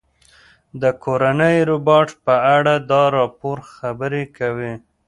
د کورني روباټ په اړه دا راپور خبرې کوي.